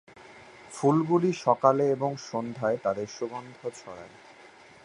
ফুলগুলি সকালে এবং সন্ধ্যায় তাদের সুগন্ধ ছড়ায়।